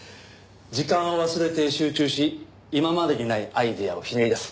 時間を忘れて集中し今までにないアイデアをひねり出す。